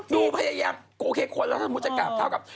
พยายามโอเคคนแล้วถ้าสมมุติจะกราบเท้ากับ